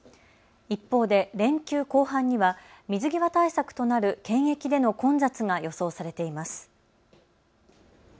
一方で連休後半には水際対策となる検疫での混雑が予想されています。